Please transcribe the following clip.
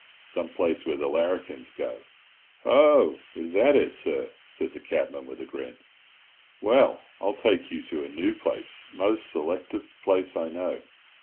Some place where the larrikins go." "Ho! is that it, sir?" said the cabman, with a grin. "Well, I'll take you to a noo place, most selectest place I know.